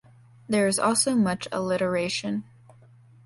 There is also much alliteration.